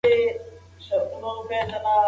وروسته میر اکبر خیبر ووژل شو.